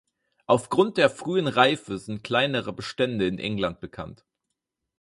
Aufgrund der frühen Reife sind kleinere Bestände in England bekannt.